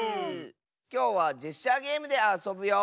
きょうはジェスチャーゲームであそぶよ。